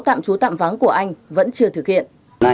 tạm trú tạm vắng của anh vẫn chưa thực hiện